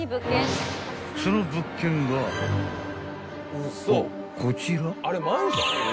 ［その物件がおおこちら？］